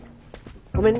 ごめんね。